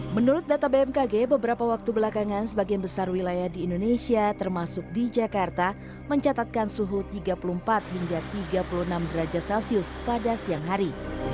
menurut data bmkg beberapa waktu belakangan sebagian besar wilayah di indonesia termasuk di jakarta mencatatkan suhu tiga puluh empat hingga tiga puluh enam derajat celcius pada siang hari